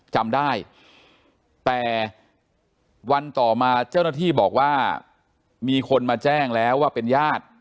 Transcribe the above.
จำได้แต่วันต่อมาเจ้าหน้าที่บอกว่ามีคนมาแจ้งแล้วว่าเป็นญาติ